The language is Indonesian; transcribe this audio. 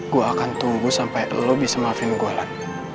gue akan tunggu sampai lu bisa maafin gue lan